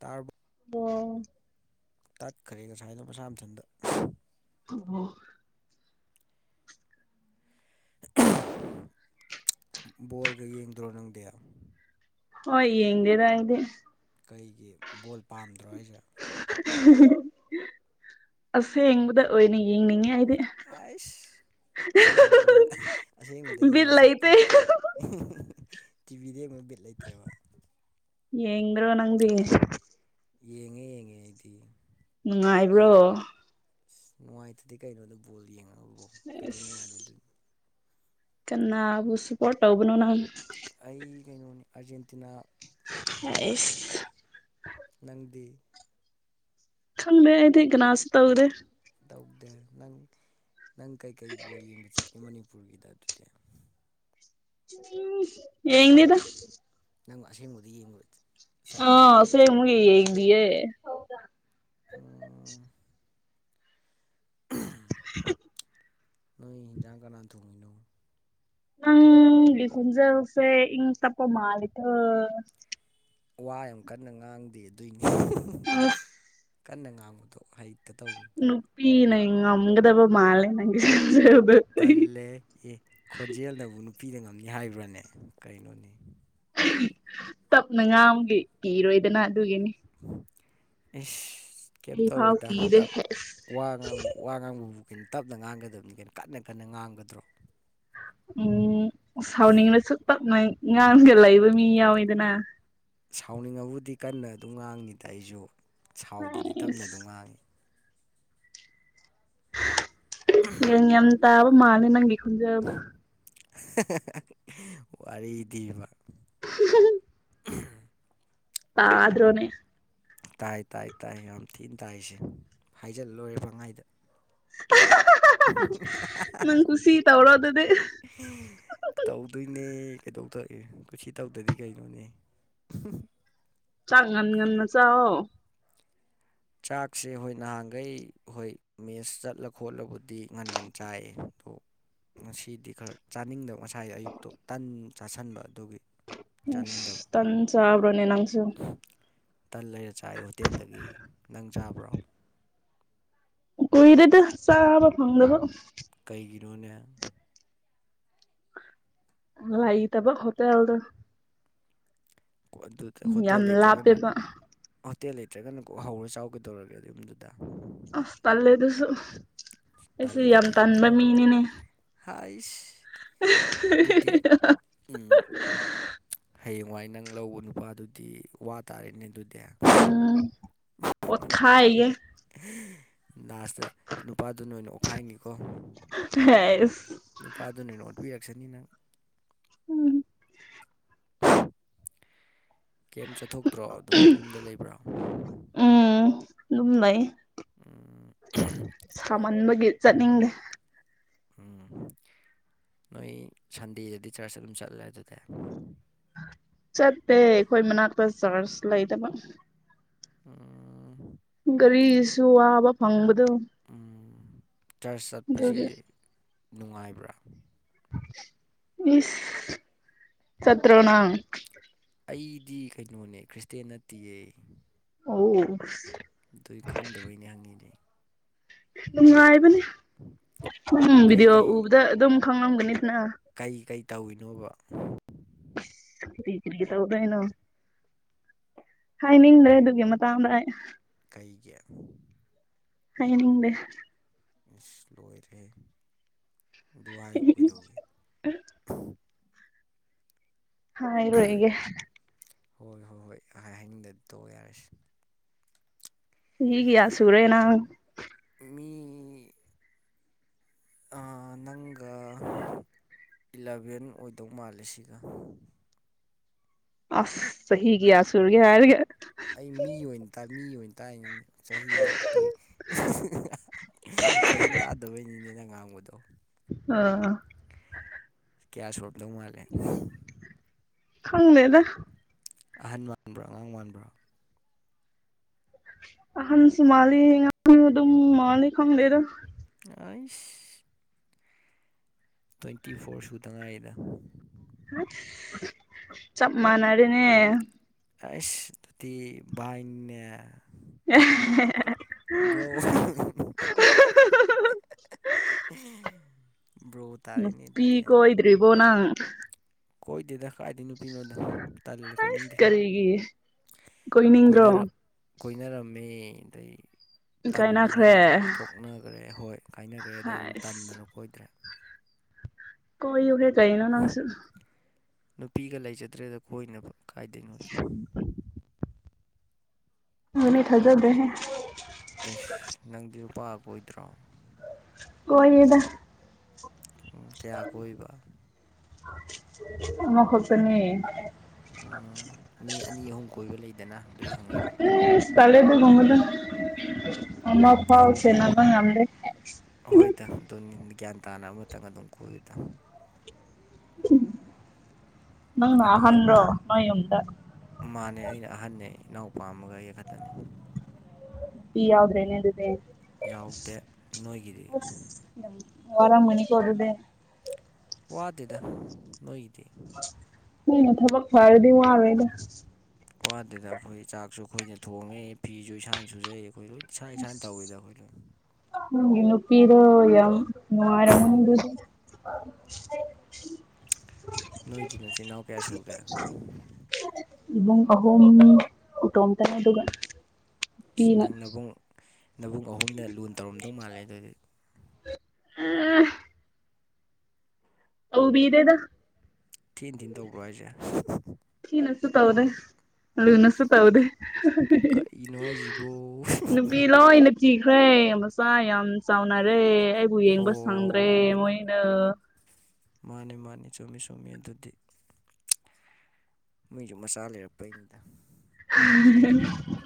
ꯇꯥꯔꯕꯣ ꯑꯣ ꯇꯠꯈ꯭ꯔꯦ ꯉꯁꯥꯏꯅ ꯃꯁꯥ ꯃꯊꯟꯗ ꯑꯣ ꯕꯣꯜꯒ ꯌꯦꯡꯗ꯭ꯔꯣ ꯅꯪꯗꯦ ꯍ ꯌꯦꯡꯗꯦꯗꯗꯦ ꯀꯩꯒꯤ ꯕꯣꯜ ꯄꯥꯝꯗ꯭ꯔꯣ ꯍꯥꯏꯁꯦ ꯑꯁꯦꯡꯕꯗ ꯑꯣꯏꯅ ꯌꯦꯡꯅꯤꯡꯉꯦ ꯑꯩ ꯑꯁ ꯑꯁꯦꯡꯕ ꯕꯣꯜ ꯑꯁꯦꯡꯕꯗ ꯕꯤꯠ ꯌꯦꯡꯕ ꯂꯩꯇꯦ ꯆꯠꯄ꯭ꯔꯥ ꯇꯤꯚꯤꯗ ꯑꯃ ꯕꯤꯠ ꯂꯩꯇꯦꯕ ꯌꯦ꯭ꯔꯣ ꯅꯪꯗꯤ ꯌꯦꯡꯉꯦ ꯌꯦꯡꯉꯦ ꯑꯩꯗꯤ ꯅꯨꯡꯉꯥꯏꯕ꯭ꯔꯣ ꯑꯁ ꯅꯨꯡꯉꯥꯏꯇꯗꯗꯤ ꯀꯩꯅꯣꯗ ꯕꯣꯜ ꯌꯦꯡꯉꯕꯕꯣ ꯀꯩꯗꯧ ꯅꯨꯡꯉꯥꯏꯔꯣꯏꯗꯣꯏꯅꯣ ꯀꯅꯥꯕꯨꯁꯨꯄꯣꯇꯣꯕꯅꯅ ꯑꯩ ꯀꯩꯅꯣꯅꯤ ꯑꯥꯔꯖꯦꯟꯇꯤꯅꯥ ꯑꯁ ꯅꯪꯗꯤ ꯊꯦ ꯍꯥꯏꯗꯤꯒꯅꯥꯥꯁ ꯇꯒ꯭ꯔꯦ ꯇꯧꯗꯦ ꯅꯪ ꯅꯪ ꯀꯩꯀꯩ ꯌꯦꯡꯕ ꯆꯠꯀꯦ ꯑꯩ ꯃꯅꯤꯄꯨꯔꯒꯤꯗ ꯑꯗꯨꯗꯤ ꯎ ꯌꯦꯉꯅꯤꯗ ꯅꯪꯕꯨ ꯑꯁꯦꯡꯕꯗ ꯌꯦꯡꯕ ꯆꯠꯂꯦ ꯑꯁ ꯍꯥꯏꯗꯥꯏꯅꯦ ꯂꯩꯦ ꯃꯒꯤ ꯌꯦꯗꯤꯌꯦ ꯑꯣ [inaudible] ꯅꯣꯏ ꯌꯦꯟꯖꯥꯡ ꯀꯅꯥ ꯊꯣꯡꯉꯤꯅꯣ ꯎꯪ ꯂꯤꯈꯨꯟꯖꯦꯜꯁꯦ ꯏꯪ ꯇꯞ ꯃꯥ ꯂꯩꯇ ꯋꯥ ꯌꯥꯝ ꯀꯟꯅ ꯉꯥꯡꯗꯦ ꯑꯗꯨꯏꯅꯤ ꯀꯟꯅ ꯉꯥꯡꯕꯗꯣ ꯍꯩꯇꯦ ꯠꯇ ꯇꯧꯅꯤ ꯄꯤꯅꯦ ꯏ ꯑꯃꯪꯗꯕ ꯃꯥꯜꯦꯅꯪ ꯇꯜꯂꯦ ꯑꯦ ꯈꯣꯟꯖꯦꯜꯅꯕꯨ ꯅꯨꯄꯤꯗ ꯉꯝꯅꯤ ꯍꯥꯏꯕ꯭ꯔꯥꯅꯦ ꯀꯩꯅꯣꯅꯤ ꯇꯞꯅ ꯉꯥꯒꯤ ꯀꯤꯔꯣꯏꯗꯅ ꯑꯗꯨꯒꯤꯅꯤ ꯏ ꯀꯩ ꯑꯩ ꯐꯥꯎ ꯇꯧꯔꯣꯏꯗꯞ ꯀꯤꯗꯦ ꯍꯦꯁ ꯋꯥꯥꯡꯕ ꯋꯥ ꯉꯥꯡꯕꯕꯨ ꯀ ꯇꯞꯅ ꯉꯥꯡꯒꯗꯕꯅꯤ ꯀꯅ ꯀꯟꯅ ꯀꯟꯅ ꯉꯥꯡꯒꯗ꯭ꯔꯣ ꯎꯝ ꯁꯥꯎꯅꯤꯡꯅꯁꯨꯨꯞ ꯄꯛꯅ ꯉꯥꯡꯒ ꯂꯩꯕ ꯃꯤ ꯌꯥꯎꯋꯤꯗꯅ ꯁꯥꯎꯅꯤꯡꯉꯕꯨꯗꯤ ꯀꯟꯅ ꯑꯗꯨꯝ ꯉꯥꯡꯉꯤꯗ ꯑꯩꯁꯨ ꯁꯥꯎꯗ꯭ꯔꯗꯤ ꯇꯞꯅ ꯑꯁ ꯑꯗꯨꯝ ꯉꯥꯡꯉꯤ ꯌꯦꯡ ꯌꯥꯝ ꯇꯥꯕ ꯃꯥꯜꯂ ꯅꯪꯒꯤ ꯈꯟꯖꯕ ꯋꯥꯔꯤꯗꯤꯕ [inaudible] [unintelligible] ꯑ꯭ꯔꯣꯅꯦ ꯇꯥꯏ ꯇꯥꯏ ꯇꯥꯏ ꯌꯥꯝ ꯊꯤꯅ ꯇꯥꯏꯁꯦ ꯍꯥꯏꯖꯤꯜꯂꯣꯏꯔꯦ ꯐꯉꯥꯏꯗ ꯅꯪ ꯈꯁꯤ ꯇꯕ ꯇꯧꯗꯣꯏꯅꯦ ꯀꯩꯗꯧꯗꯣꯏ ꯑꯣꯦ ꯀꯁꯤ ꯇꯧꯗꯗꯤ ꯀꯩꯅꯣꯅꯦ ꯆꯥꯡ ꯉꯟ ꯉꯟ ꯃ ꯆꯥꯛꯑꯣꯣ ꯆꯥꯛꯁꯦ ꯍꯣꯏ ꯅꯍꯥꯟꯈꯩ ꯍꯣꯏ ꯃꯦꯟꯁ ꯆꯠꯂ ꯈꯣꯠꯂꯕꯨꯗꯤ ꯉꯟꯒꯟ ꯆꯥꯏꯌꯦ ꯑꯗ ꯉꯁꯤꯗꯤ ꯈꯔ ꯆꯥꯅꯤꯡꯗꯕ ꯉꯁꯥꯏꯒꯤ ꯑꯌꯨꯛꯇꯣ ꯇꯟ ꯆꯥꯁꯟꯕ ꯑꯗꯨꯒꯤ ꯆꯥꯅꯤꯡꯗꯕ ꯇꯟ ꯆꯕꯔꯅꯦ ꯅꯪꯁꯨ ꯇꯟ ꯂꯩꯔ ꯆꯥꯏ ꯍꯣꯇꯦꯜꯗꯒꯤ ꯅꯪ ꯆꯥꯕ꯭ꯔꯣ ꯀꯣꯏꯗꯦꯗ ꯆꯥ ꯍꯥꯕ ꯐꯪꯗꯕ ꯗꯅ ꯍꯂ ꯏ ꯇꯕ ꯍꯇꯥ ꯑꯜꯗ ꯑꯗꯨꯗ ꯍꯣꯇꯦꯜ ꯂꯩꯇ꯭ꯔꯒꯅ ꯂꯥꯞꯄꯦꯕ ꯍꯣꯇꯦꯜ ꯂꯩꯇ꯭ꯔꯒꯅ ꯀ ꯍꯧꯔ ꯆꯥꯎꯒꯦ ꯇꯧꯔꯒꯦ ꯑꯗꯨꯗꯨ ꯑꯁ ꯇꯜꯂꯦ ꯑꯗꯨꯁꯨ ꯑꯩꯁ ꯌꯥꯝ ꯇꯜꯂꯗꯤ ꯇꯟꯕ ꯈꯪꯗ꯭ꯔꯦ ꯃꯤꯅꯤꯅꯦ ꯍꯥꯏꯁ ꯑꯗꯨꯗꯤ ꯍꯌꯦꯡꯋꯥꯏ ꯅꯪ ꯂꯧꯕ ꯅꯨꯄꯥꯗꯨꯗꯤ ꯋꯥ ꯇꯥꯔꯦꯅꯦ ꯑꯗꯨ ꯎꯝ ꯑꯣ ꯈꯥꯏꯦ ꯂꯥꯁꯇ ꯅꯨꯄꯥꯗꯨ ꯅ ꯑꯣꯏꯅ ꯑꯣꯠꯈꯥꯏꯉ ꯑꯁ ꯄꯨꯔꯛꯁꯅꯤ ꯅꯪ ꯎꯝ ꯀꯦꯃ ꯆꯠꯊꯣꯛꯇ꯭ꯔꯣ ꯑꯗꯨꯝ ꯌꯨꯝꯗ ꯂꯩꯕ꯭ꯔꯥ ꯎꯝ ꯑꯗꯨꯝ ꯂꯩ ꯁꯥꯃꯟꯕꯒꯤ ꯆꯠꯅꯤꯡꯗꯦ ꯎꯝ ꯅꯣꯏ ꯁꯟꯗꯦꯗꯗꯤ ꯆꯔꯆ ꯑꯗꯨꯝ ꯆꯠꯂꯦ ꯑꯗꯨꯗ ꯆꯠꯇꯦ ꯑꯩꯈꯣꯏ ꯃꯅꯥꯛꯇ ꯆꯥꯔꯁ ꯂꯩꯗꯕ ꯎꯝ ꯒꯥꯔꯤꯁꯨ ꯑꯕ ꯐꯪꯕꯗ ꯗꯣ ꯎꯝ ꯆꯔꯆ ꯆꯠꯄꯁꯦ ꯑꯗꯨꯗꯒꯤ ꯅꯨꯡꯉꯥꯏꯕ꯭ꯔꯥ ꯏꯁ ꯆꯠꯇꯔꯣꯅꯥꯥꯡ ꯑꯩꯗꯤ ꯀꯩꯅꯣꯅꯦ ꯈ꯭ꯔꯤꯁꯇꯦꯟ ꯅꯠꯇꯦꯌꯦ ꯍꯣ ꯑꯗꯨꯏ ꯈꯪꯗꯕꯩꯅꯦ ꯍꯪꯉꯤꯅꯦ ꯅꯨꯡꯉꯥꯏꯕꯅꯦ ꯎꯝ ꯚꯗꯤꯑꯣ ꯀꯩꯀꯩ ꯎꯕꯗ ꯑꯗꯨꯝ ꯈꯪꯂꯝꯝꯒꯅꯤ ꯀꯩꯀꯩ ꯇꯧꯔꯤꯅꯣꯕ ꯀꯔꯤ ꯀꯔꯤ ꯇꯧꯗꯣꯏꯅꯣ ꯍꯥꯏꯅꯤꯡꯗ꯭ꯔꯦ ꯑꯗꯨꯒꯤ ꯃꯇꯥꯡꯗ ꯀꯩꯒꯤ ꯍꯥꯏꯅꯤꯡ ꯗꯦ ꯂꯣꯏꯔꯦ ꯗꯨ ꯍꯥꯏꯏꯕꯨ ꯀꯩꯗꯧꯏꯤ ꯍꯥꯏꯔꯣꯏꯒꯦ ꯍꯣꯏ ꯍꯣꯏ ꯍꯣꯏꯍꯅꯤꯡꯗ ꯇꯧ ꯌꯥꯔꯁꯤ ꯆꯍꯤ ꯀꯌꯥ ꯁꯨꯔꯦ ꯅꯪ ꯑꯩ ꯑ ꯅꯪꯒ ꯏꯂꯚꯦꯟ ꯑꯣꯏꯗꯧ ꯃꯥꯜꯂꯦ ꯁꯤꯒ ꯑꯁ ꯆꯍꯤ ꯀꯌꯥ ꯁꯨꯔꯒ ꯍꯥꯏꯔꯒ ꯑꯩ ꯃꯤ ꯑꯣꯏꯅ ꯇꯥꯏ ꯃꯤ ꯑꯣꯏꯅ ꯇꯥꯛꯉ ꯆꯍꯤꯔꯣ ꯇꯣꯏ ꯐꯖꯅ ꯇꯥꯗꯕꯣꯏꯅꯤꯅꯦꯅ ꯉꯥꯡꯕꯗꯣ ꯑꯣ ꯀꯌꯥ ꯁꯣꯔꯕꯗꯧ ꯃꯥꯜꯂꯦ ꯈꯪꯅꯦꯗ ꯑꯍꯟ ꯃꯥꯟꯕ꯭ꯔꯥ ꯑꯉꯥꯡ ꯃꯥꯟꯕ꯭ꯔꯥ ꯍꯟꯁꯨ ꯃꯥꯂꯤ ꯑꯗꯨ ꯃꯥꯂꯤꯛ ꯈꯪꯗꯦꯗ ꯑꯏꯁ ꯇ꯭ꯋꯦꯟꯇꯤ ꯐꯣꯔ ꯁꯨ ꯇꯉꯥꯏꯗ ꯆꯞꯃꯅꯅꯦ ꯑꯁ ꯑꯗꯨꯗꯤ ꯕꯥꯏ ꯅꯤꯅꯦ [unintelligible] ꯕ꯭ꯔꯣ ꯕ꯭ꯔꯣ ꯃ ꯇꯥꯔꯦꯅꯦ ꯄꯤ ꯑꯗꯨꯗꯤ ꯀꯣꯏꯗ꯭ꯔꯤꯕꯣ ꯅꯪ ꯀꯣꯏꯗꯦꯗ ꯀꯥꯏꯗꯤ ꯅꯨꯄꯤ ꯅꯣꯗ ꯑꯁ ꯀꯔꯤꯒꯤ ꯀꯣꯏ ꯅꯤꯡꯗ꯭ꯔꯣ ꯀꯣꯏꯅꯔꯝꯃꯤ ꯑꯗꯩ ꯇꯟꯗꯅ ꯀꯥꯏꯅꯈ꯭ꯔꯦ ꯑꯗꯨꯝ ꯊꯣꯛꯅꯈ꯭ꯔꯦ ꯍꯣꯏ ꯀꯥꯏꯅꯈ꯭ꯔꯦ ꯑꯗꯩ ꯑꯗꯨꯝ ꯑꯁ ꯇꯟꯗꯅ ꯀꯣꯏꯗ꯭ꯔꯦ ꯀꯣꯏ ꯎꯦ ꯀꯩꯅꯣ ꯅꯪꯁꯨ ꯅꯨꯄꯤꯒ ꯂꯩꯖꯗ꯭ꯔꯦꯗ ꯀꯣꯏꯅꯕ ꯀꯥꯏꯗꯣꯏꯅꯣ ꯅꯤ ꯊꯖꯔꯗꯦ ꯑꯦꯁ ꯅꯪꯗꯤ ꯂꯨꯄꯥ ꯀ ꯑꯣꯏꯣꯏꯗ꯭ꯔꯣ ꯑꯣꯏꯗ ꯀꯌꯥ ꯀꯣꯏꯕ ꯑꯃꯈꯛꯇꯅꯤ ꯃꯤ ꯑꯅꯤ ꯑꯍꯨꯝ ꯀꯣꯏꯕ ꯂꯩꯗꯅ ꯑꯗꯨꯏ ꯍꯪꯉꯤꯅꯤ ꯑꯃꯃ ꯇꯧ ꯐꯥꯎꯁꯦ ꯅꯕꯉꯗ ꯍꯣꯏꯗ ꯑꯗꯨ ꯒ꯭ꯌꯥꯟ ꯇꯥꯅ ꯑꯃꯇꯪ ꯑꯗꯨꯝ ꯀꯨꯏꯗ ꯅꯪ ꯅ ꯑꯅꯤ ꯍꯟꯣ ꯅꯣꯏ ꯎꯗ ꯃꯥꯅꯦ ꯑꯩꯅ ꯑꯍꯟꯅ ꯏꯅꯥꯎꯄꯥꯝꯃꯒ ꯌꯦꯛ ꯈꯛꯇꯅꯤ ꯌꯥꯎꯗ꯭ꯔꯦꯅ ꯑꯗꯨꯦ ꯌꯥꯎꯗꯦ ꯅꯣꯏꯒꯤꯗꯤ ꯑꯣꯔ ꯃꯅꯤ ꯀ ꯑꯣꯏꯗ ꯋꯥꯗꯦꯗ ꯅꯣꯏꯗꯤ ꯅ ꯊꯕꯛ ꯐꯔꯗꯤꯗ ꯋꯥꯗꯨꯗ ꯑꯩꯈꯣꯏ ꯆꯥꯛꯁꯨ ꯑꯩꯈꯣꯏꯅ ꯊꯣꯡꯉꯦ ꯐꯤꯁꯨ ꯏꯁꯥꯅ ꯁꯨꯖꯩ ꯑꯩꯈꯣꯏ ꯂꯣꯏꯅ ꯏꯁꯅ ꯏꯁꯥꯅ ꯇꯧꯋꯗ ꯑꯩꯈꯣꯏꯗꯣ ꯅꯨꯄꯤꯤꯗ ꯌꯥꯝ ꯃꯥꯔ ꯅꯣ ꯏꯗꯤ ꯅꯁꯤꯤꯍꯎ ꯀꯌꯥꯁꯨꯨ ꯀꯦ ꯏ ꯑꯍꯣ ꯀ ꯇꯝ ꯇꯅ ꯑꯗꯨꯒꯕ ꯑꯁ ꯅꯪ ꯅꯕꯨꯡ ꯅꯕꯨꯡ ꯑꯍꯨꯝꯅ ꯂꯨ ꯇꯧꯔꯝꯗꯧ ꯃꯥꯜꯂꯦ ꯑꯗꯨꯗꯤ ꯑ ꯑꯕꯨ ꯤꯗꯦꯗ ꯊꯤꯟ ꯊꯤꯟ ꯇꯧꯕ꯭ꯔꯣ ꯍꯥꯏꯁꯦ ꯊꯅꯁꯨ ꯇꯧꯗꯦ ꯂꯨꯅꯁꯨ ꯇꯧꯗꯦ ꯀ ꯅꯨꯡꯉꯥꯏꯁꯤꯕꯣ ꯅꯨꯄꯤ ꯂꯣꯏꯅ ꯊꯤꯈ꯭ꯔꯦ ꯃꯆꯥ ꯌꯥꯝ ꯆꯥꯎꯅꯔꯦ ꯑꯩꯕꯨ ꯌꯦꯡꯕ ꯁꯪꯗ꯭ꯔꯦ ꯃꯣꯏꯅ ꯃꯥꯅꯤ ꯃꯥꯅꯤ ꯆꯨꯝꯃꯤ ꯆꯨꯝꯃꯤ ꯑꯗꯨꯗꯤ ꯃꯁꯨ ꯃꯁꯥꯂꯦꯄꯩꯅꯤꯗ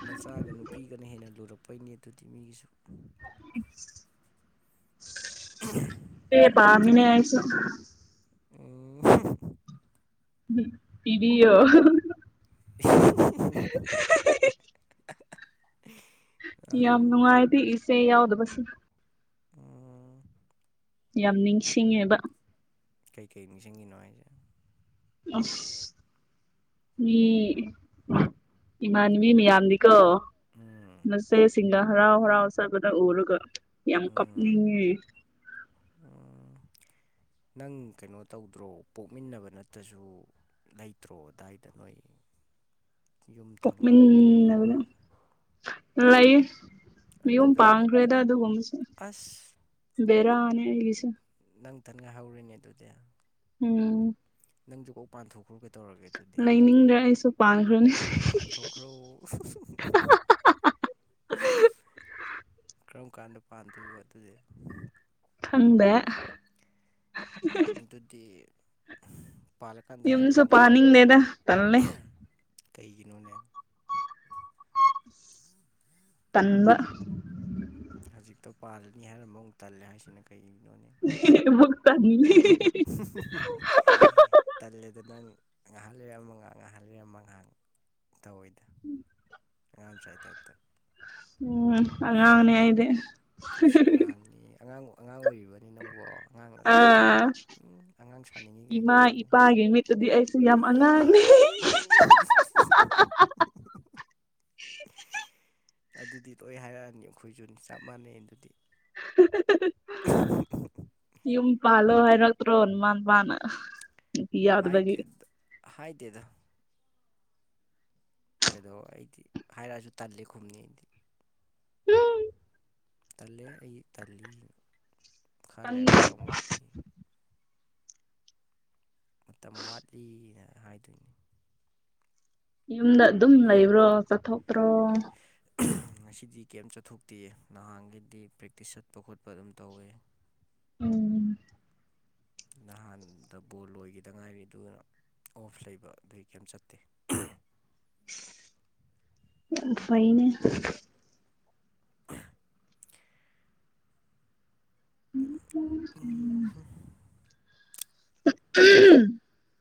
ꯃꯆꯥꯒ ꯅꯨꯄꯤꯒꯅ ꯍꯦꯟꯅ ꯂꯨꯔꯛꯄꯩꯅꯤ ꯑꯗꯨꯗꯤ ꯃꯤꯒꯤꯁꯨ ꯍꯦ ꯄꯃꯤꯅꯦ ꯍꯥꯏꯁꯨ ꯎ ꯏꯕꯤꯣ [inaudible] [unintelligible] ꯑ ꯌꯥꯝ ꯅꯨꯡꯉꯥꯏꯗꯤ ꯏꯆꯦ ꯌꯥꯎꯗꯕꯁ ꯎ ꯌꯥꯝ ꯅꯤꯡꯁꯤꯡꯉꯦꯕ ꯀꯩꯀꯩ ꯅꯤꯡꯁꯤꯡꯉꯅꯣ ꯍꯥꯏꯁꯦ ꯑ ꯃꯤ ꯏꯃꯥꯟ ꯃꯤ ꯌꯥꯝꯗꯤ ꯀꯣ ꯎꯝ ꯃꯆꯦꯁꯤꯡꯅ ꯍꯔꯥꯎ ꯍꯔꯥꯎ ꯆꯕꯗ ꯎꯔꯒ ꯌꯥꯝ ꯎꯝ ꯀꯅꯤ ꯅꯪ ꯀꯩꯅꯣ ꯇꯧꯗ꯭ꯔꯣ ꯄꯣꯛꯃꯤꯟꯅꯕ ꯅꯠꯇ꯭ꯔꯁꯨ ꯂꯩꯇ꯭ꯔꯣ ꯑꯗꯨꯗꯥꯏꯗ ꯅꯣꯏ ꯌꯨꯝ ꯃꯅꯕꯅ ꯊꯪꯅꯕꯒꯨꯝꯕ ꯏ ꯃꯤꯨꯝ ꯑꯗꯨꯗ ꯑꯗꯨꯝ ꯄꯥꯡꯈ꯭ꯔꯦꯗ ꯑꯗꯨ ꯍꯣꯁ ꯑꯁ ꯕꯔꯅꯦ ꯑꯩꯁ ꯅꯪꯊꯟꯒ ꯍꯧꯔꯤꯅꯦ ꯑꯗꯨꯗꯤ ꯎꯝ ꯅꯪ ꯨꯀꯧ ꯄꯥꯟꯊꯣꯛꯎ ꯂꯩꯅꯤꯡꯗ꯭ꯔꯦ ꯑꯩꯁꯨ ꯄꯥꯟꯈ꯭ꯔꯅꯤ ꯄꯊ ꯈ꯭ꯔꯣ [unintelligible] [inaudible] ꯀꯔꯝ ꯀꯥꯟꯗ ꯄꯥꯟꯗꯣꯏꯅꯣ ꯑꯗꯨꯗꯤ ꯐꯪꯕ ꯑꯗꯨꯗꯤ ꯄꯥꯜꯂꯀꯥꯟꯗ ꯌꯨꯝꯁꯨꯣ ꯍꯥꯏꯔꯛꯎꯅꯦ ꯄꯅꯤ ꯗꯦꯗ ꯇꯜꯦ ꯀꯩꯒꯤꯅꯣꯅꯦ ꯇꯟꯕ ꯄꯥꯜꯜꯂꯤꯅꯤ ꯍꯥꯏꯔ ꯃꯑꯣꯡ ꯇꯜꯂꯦ ꯍꯥꯏꯁꯤꯅ ꯀꯩꯒꯤꯅꯣ ꯣꯛ ꯇ ꯇꯂꯦ ꯑꯗꯨ ꯅꯅꯤ ꯉꯥꯏꯍꯜꯜꯂꯤꯦ ꯑꯃꯒ ꯉꯥꯏꯍꯜꯜꯂꯤ ꯑꯃꯒꯥꯡ ꯇꯧꯤꯗ ꯎꯝ ꯌꯥꯝꯝ ꯆꯥꯏꯗꯦꯠꯇ ꯎꯝ ꯑꯥꯡꯅꯦ ꯏꯦ ꯃꯤꯁ ꯑꯉꯥꯡꯅꯤ ꯑꯉꯥꯡ ꯏꯕꯥꯔꯤ ꯅꯪ ꯑꯥ ꯁꯥꯅꯤꯡꯉꯤ ꯏꯃꯥ ꯀꯩꯒꯤꯅꯣ ꯏꯄꯥꯒꯤ ꯃꯤꯠꯇꯨꯗꯤ ꯑꯩꯁꯨ ꯌꯥꯝ ꯑꯉꯥꯡꯉ ꯎꯝ [unintelligible] ꯑꯗꯨꯗꯤ ꯂꯣꯏ ꯍꯥꯏꯔꯛꯑꯅꯤ ꯑꯩꯈꯣꯏꯁꯨ ꯆꯞ ꯃꯥꯟꯅꯩ ꯑꯗꯨꯗꯤ [unintelligible] ꯌꯨꯝ ꯄꯥꯜꯂꯣ ꯍꯥꯏꯔꯛꯇ꯭ꯔꯣꯃꯥꯟ ꯃꯥꯅ ꯏ ꯌꯥꯎꯗꯕꯒꯤ ꯍꯥꯏꯗꯤꯦꯗ ꯀꯩꯗꯧ ꯑꯩꯗꯤ ꯍꯥꯏꯔꯛꯑꯁꯨ ꯇꯜꯜꯂꯤꯦ ꯈꯨꯝꯅꯤ ꯑꯩꯗꯤ ꯎꯝ ꯇꯜꯂꯦ ꯑꯩ ꯇꯜꯂꯤ ꯇꯟ ꯈꯥꯂꯦ ꯃꯇꯝ ꯋꯥꯠꯂꯤ ꯃꯇꯝ ꯋꯥꯠꯂꯤꯅ ꯍꯥꯏꯗꯣꯏꯅꯤ ꯌꯨꯝꯗ ꯑꯗꯨꯝ ꯂꯩꯕ꯭ꯔꯣ ꯆꯠꯊꯣꯛꯄ꯭ꯔꯣ ꯉꯁꯤꯗꯤ ꯀꯦꯝꯝ ꯆꯠꯊꯣꯛꯇꯦ ꯅꯍꯥꯟꯒꯤꯗꯤ ꯄ꯭ꯔꯦꯛꯇꯤꯁ ꯆꯠꯄ ꯈꯣꯠꯄ ꯑꯗꯨꯝ ꯇꯧꯋꯦ ꯎꯝ ꯅꯍꯥꯟꯗ ꯕꯣꯜ ꯑꯣꯏꯣꯏꯈꯤꯗ ꯉꯥꯏꯔꯤ ꯑꯗꯨꯅ ꯑꯣꯐ ꯂꯩꯕ ꯑꯗꯨꯒꯤ ꯀꯔꯤꯝ ꯆꯠꯇꯦ ꯐꯥꯏꯩꯅ ꯎꯝ ꯎꯝ [unintelligible]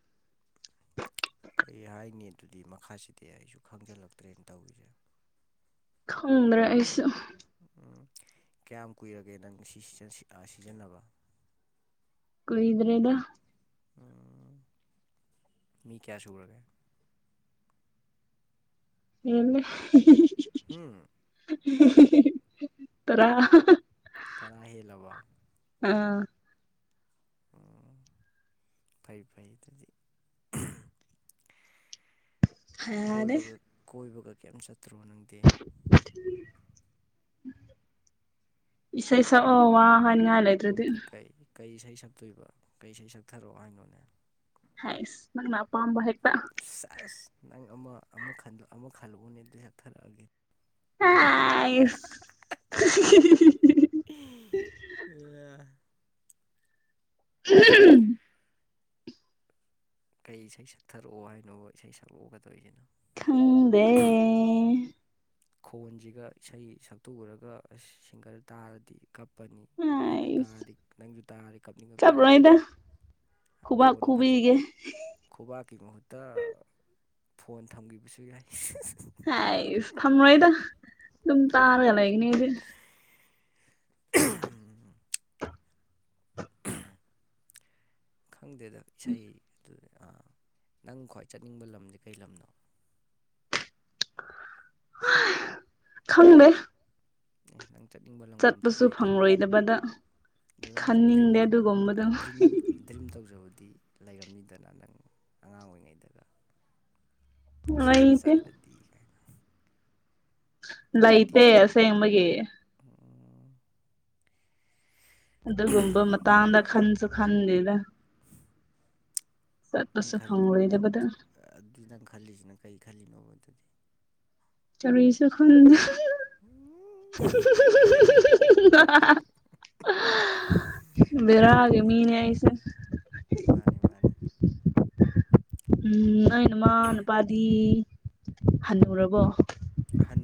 ꯀꯔꯤ ꯍꯥꯏꯅꯤ ꯑꯗꯨꯗꯤ ꯃꯈꯥꯁꯤꯗꯤ ꯑꯩꯁꯨ ꯈꯪꯖꯤꯜꯂꯛꯇ꯭ꯔꯦꯅ ꯇꯧꯔꯤꯁꯦ ꯈꯪꯗ꯭ꯔ ꯑꯩꯁꯨ ꯎꯝ ꯀꯌꯥꯝ ꯀꯨꯏꯔꯒꯦ ꯅꯪ ꯁꯤ ꯁꯤꯖꯤꯟꯅꯕ ꯀꯣꯏꯗ꯭ꯔꯦꯗ ꯎ ꯃꯤ ꯀꯌꯥꯁꯨꯨꯒꯔꯒꯦ ꯍ ꯍꯨꯝ ꯇꯔꯥ ꯇꯔꯥ ꯍꯦꯜꯂꯕ ꯑꯥ ꯑꯣ ꯐꯩ ꯐꯩ ꯑꯗꯨꯗꯤ ꯌꯥꯔꯦ ꯣꯏꯕꯒ ꯀꯣꯏꯕꯒ ꯀꯔꯤꯝ ꯆꯠꯇ꯭ꯔꯣ ꯅꯪꯗꯦ ꯏꯁ ꯏꯁ ꯑꯣ ꯋꯥꯍꯅꯤꯡ ꯉꯂꯥꯏꯗ꯭ꯔꯗꯤ ꯀꯩ ꯀꯩ ꯏꯁꯩ ꯁꯛꯇꯣꯏꯕ ꯀꯩ ꯏꯁꯩ ꯁꯛꯊꯔꯛꯑꯣ ꯍꯥꯏꯅꯣꯅꯦ ꯍ ꯅꯪꯅ ꯄꯝꯕ ꯍꯦꯛ ꯑꯁ ꯅꯪ ꯑꯃ ꯑꯃ ꯑꯃ ꯈꯜꯂꯛꯎꯅꯦ ꯑꯗꯨ ꯌꯥꯠꯊꯔꯛꯑꯒꯦ ꯍꯥꯏꯁ ꯎꯝ ꯑ [unintelligible] ꯀꯩ ꯏꯁꯩ ꯁꯛꯊꯔꯛꯑꯣ ꯍꯥꯏꯅꯣ ꯏꯁꯩ ꯁꯛꯂꯛꯎꯒꯗꯣꯏꯔꯤꯁꯤꯅꯣ ꯈꯪꯗꯦ ꯈꯣꯟꯁꯤꯒ ꯏꯁꯩ ꯁꯛꯇꯨꯎꯔꯒ ꯁꯤꯡꯒꯔ ꯇꯥꯔꯗꯤ ꯀꯞ ꯀꯞꯄꯅꯤ ꯅꯪꯁꯨ ꯍꯥꯏꯁ ꯇꯥꯔꯗꯤ ꯅꯪꯁꯨ ꯇꯥꯔꯗꯤ ꯀꯥꯞꯅꯤꯡꯉꯛꯀꯅꯤ ꯆꯠꯂꯣꯏꯗ ꯈꯨꯕꯥꯛ ꯈꯟ ꯐꯆ ꯈꯨꯕꯤꯒꯦ ꯈꯨꯕꯥꯛꯀꯤ ꯃꯍꯠꯇ ꯐꯣꯟ ꯊꯝꯈꯤꯕꯁꯨ ꯌꯥꯏ ꯍ ꯊꯝꯂꯣꯏꯗ ꯑꯗꯨꯝ ꯇꯥꯔꯒ ꯂꯩꯒꯅꯤ ꯑꯩꯁꯦ ꯈꯪꯗꯦꯗ ꯏꯁꯩ ꯑꯗꯨꯥ ꯅꯪ ꯈ꯭ꯋꯥꯏ ꯆꯠꯅꯤꯡꯕ ꯂꯝꯗꯤꯦ ꯀꯩ ꯂꯝꯅꯣ ꯈꯪꯃꯦ ꯎ ꯅꯪ ꯆꯠꯅꯤꯡꯕ ꯆꯠꯄꯁꯨ ꯐꯪꯂꯣꯏꯗꯕꯗ ꯑꯗꯨꯅ ꯑꯪ ꯁꯨꯝ ꯗ꯭ꯔꯤꯝ ꯗ꯭ꯔꯤꯝ ꯗ꯭ꯔꯤꯝ ꯇꯧꯖꯕꯗꯤ ꯂꯩꯔꯝꯅꯤꯗꯅ ꯅꯪ ꯑꯉꯥꯡ ꯑꯣꯏꯔꯤꯉꯩꯗꯒ ꯁꯤꯗꯒ ꯂꯩꯇꯦ ꯆꯠꯂꯗꯤ ꯂ ꯂꯩꯇꯦ ꯏꯇꯦ ꯑꯁꯦ ꯃꯒꯤ ꯎꯝ ꯑꯗꯨꯒꯒꯨꯝꯕ ꯃꯇꯥꯡꯗ ꯈꯟꯁꯨ ꯈꯟꯗꯦꯗ ꯅꯪ ꯆꯠꯄꯁꯨ ꯈꯜꯂꯤꯗꯤ ꯐꯪꯂꯣꯏꯗꯕꯗ ꯑꯗꯨ ꯅꯪ ꯈꯜꯂꯤꯁꯤꯅ ꯀꯔꯤ ꯈꯜꯂꯤꯅꯣꯕ ꯑꯗꯨꯗꯤ ꯇꯔꯤꯁꯨ ꯈꯣꯟ ꯎꯝ [unintelligible] ꯅꯣꯛꯅꯤꯡꯉꯤꯗ ꯑꯩꯁꯦ ꯃꯥꯅꯤ ꯃꯥꯅꯤ ꯎꯝ ꯑ ꯅꯨꯃꯥ ꯅꯨꯄꯥꯗꯤ ꯍꯜꯟꯅꯔꯕꯣ ꯑꯍꯟ